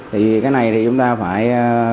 thì cái này thì chúng ta phải